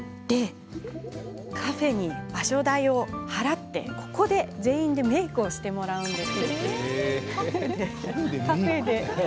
カフェに場所代を払ってここで全員メイクしてもらうんです。